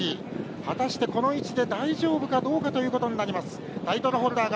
果たしてこの位置で大丈夫かどうかということですが。